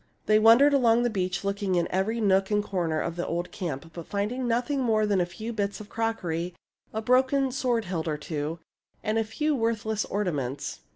They wandered along the beach, looking in every nook and corner of the old camp, but finding noth ing more than a few bits of crockery, a broken sword hilt or two, and a few worthless ornaments.